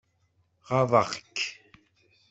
Ɣaḍeɣ-k?